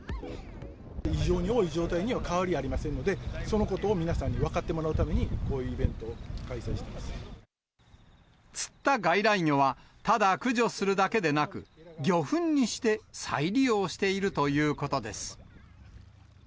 異常に多い状態には変わりはありませんので、そのことを皆さんに分かってもらうために、こういうイベントを開催していま釣った外来魚は、ただ駆除するだけでなく、魚粉にして再利用しているということです。